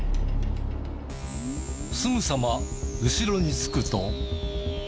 すぐさま後ろにつくと。